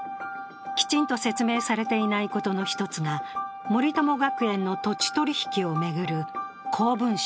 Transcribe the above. きちんと説明されていないことの１つが、森友学園の土地取り引きを巡る公文書